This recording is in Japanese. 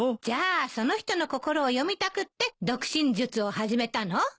じゃあその人の心を読みたくって読心術を始めたの？